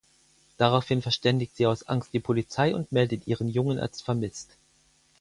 Daraufhin verständigt sie aus Angst die Polizei und meldet ihren Jungen als vermisst.